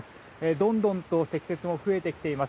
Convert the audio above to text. どんどんと積雪も増えてきています。